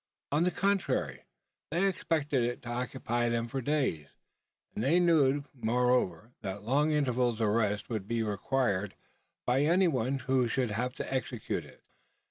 On the contrary, they expected it to occupy them for days; and they knew, moreover, that long intervals of rest would be required by any one who should have to execute it.